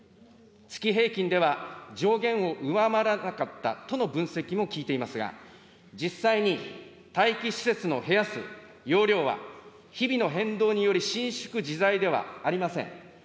月平均では、上限を上回らなかったとの分析も聞いていますが、実際に待機施設の部屋数、容量は日々の変動により伸縮自在ではありません。